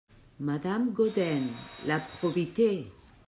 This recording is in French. Madame Gaudin La probité !